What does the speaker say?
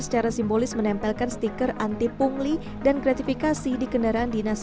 secara simbolis menempelkan stiker anti pungli dan gratifikasi di kendaraan dinas